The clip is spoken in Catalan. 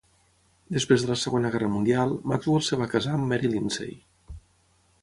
Després de la Segona Guerra Mundial, Maxwell es va casar amb Mary Lindsay.